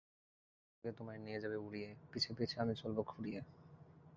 পরজ স্বর্গে তোমায় নিয়ে যাবে উড়িয়ে, পিছে পিছে আমি চলব খুঁড়িয়ে।